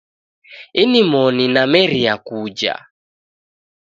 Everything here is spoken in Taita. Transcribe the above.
Inimoni nameria kuja